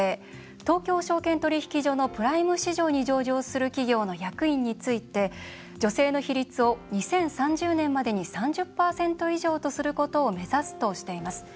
東京証券取引所のプライム市場に上場する企業の役員について女性の比率を２０３０年までに３０％以上とすることを目指すとしています。